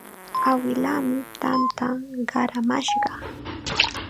Awilaami tanta qaramashqa.